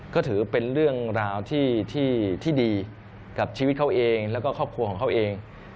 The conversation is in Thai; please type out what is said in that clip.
ก็ถือเป็นเรื่องราวที่ดีกับชีวิตเขาเองแล้วก็ครอบครัวของเขาเอง